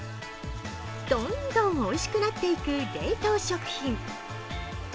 どんどんおいしくなっていく冷凍食品。